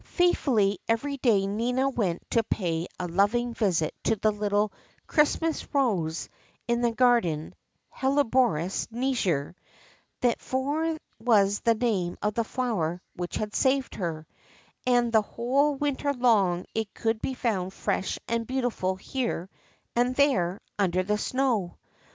Faithfully every day Nina went to pay a loving visit to the little Christmas Rose in the garden [Helleboriis niger)^ for that was the name of the flower which had saved her ; and the whole winter long it could be found fresh and beautiful here and there under the snow.